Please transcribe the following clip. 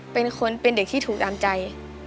เป็นคนเป็นเด็กที่ถูกตามใจ